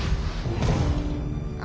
あ。